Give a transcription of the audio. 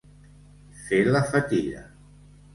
Fer la fatiga.